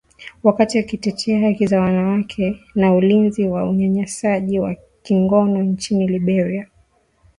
wakati akitetea haki za wanawake na ulinzi wa unyanyasaji wa kingono nchini Liberia